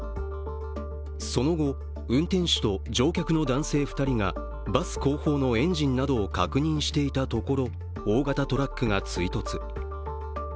その後、運転手と乗客の男性２人がバス後方のエンジンなどを確認していたところ大型トラックが追突。